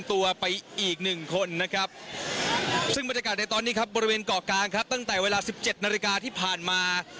ตั้งแต่เวลา๑๗นาฬิกาที่ผ่านมา